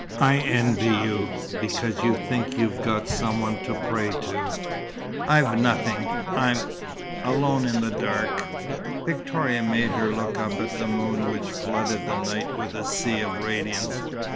"I envy you, because you think you've got Someone to pray to. I've nothing. I'm alone in the dark." Victoria made her look up at the moon which flooded the night with a sea of radiance.